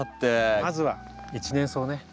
まずは一年草ね。